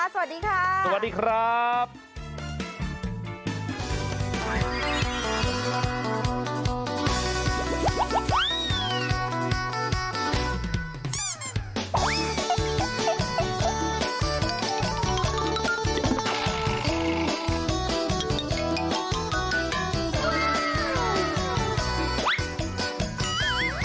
สวัสดีค่ะสวัสดีครับสวัสดีครับ